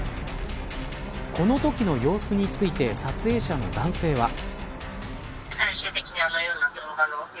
このときの様子について撮影者の男性は。